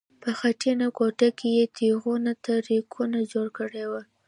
په خټینه کوټه کې یې تیغونو ته رپکونه جوړ کړي وو.